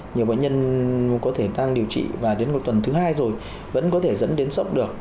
nhiều bệnh nhân có thể tăng điều trị và đến một tuần thứ hai rồi vẫn có thể dẫn đến sốc được